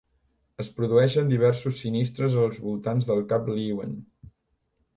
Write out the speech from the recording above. Es produeixen diversos sinistres als voltants del cap Leeuwin.